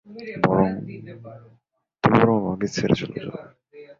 তুমি বরং আমাকে ছেড়ে চলে যাও।